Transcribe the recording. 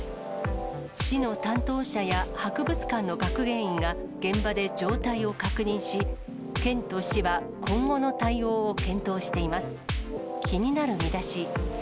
市の担当者や博物館の学芸員が現場で状態を確認し、県と市は今後の対応を検討しています。